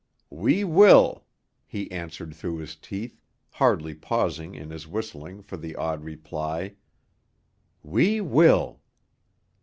"We will," he answered through his teeth, hardly pausing in his whistling for the odd reply. "We will."